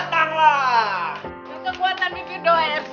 dengan kekuatan bibir doab